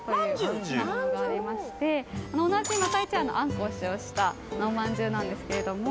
同じ又一庵のあんこを使用したおまんじゅうなんですけれども。